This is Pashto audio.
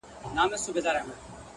• ماسومان زموږ وېريږي ورځ تېرېږي ـ